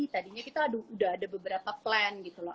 tadinya kita udah ada beberapa plan gitu loh